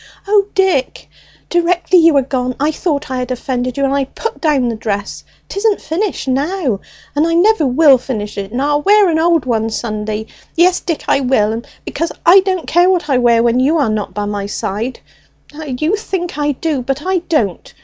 O Dick, directly you were gone, I thought I had offended you and I put down the dress; 'tisn't finished now, and I never will finish, it, and I'll wear an old one Sunday! Yes, Dick, I will, because I don't care what I wear when you are not by my side ha, you think I do, but I don't!